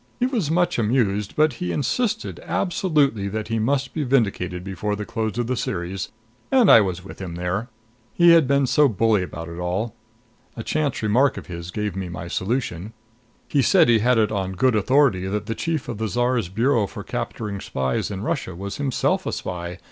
He was much amused; but he insisted, absolutely, that he must be vindicated before the close of the series, and I was with him there. He had been so bully about it all. A chance remark of his gave me my solution. He said he had it on good authority that the chief of the Czar's bureau for capturing spies in Russia was himself a spy.